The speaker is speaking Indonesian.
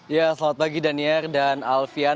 ya selamat pagi danier dan alfie